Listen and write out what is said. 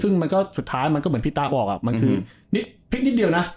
ซึ่งสุดท้ายมันก็เหมือนพี่ตาบอกมันคือนิดเดียวนะ